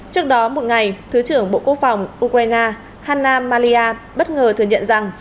trước đó một ngày thứ trưởng bộ quốc phòng ukraine hanna malia bất ngờ thừa nhận rằng